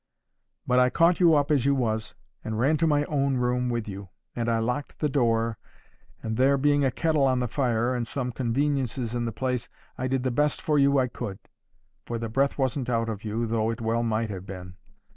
But I caught you up as you was, and ran to my own room with you; and I locked the door, and there being a kettle on the fire, and some conveniences in the place, I did the best for you I could. For the breath wasn't out of you, though it well might have been.